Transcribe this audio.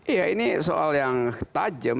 iya ini soal yang tajam